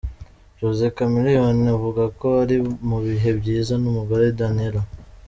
Jose Chameleone uvuga ko ari mu bihe byiza n'umugore, Daniella.